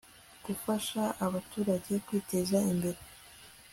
gufasha abaturage kwiteza imbere